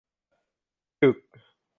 จึก